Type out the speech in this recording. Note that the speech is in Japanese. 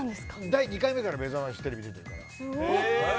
第２回目から『めざましテレビ』出てるから。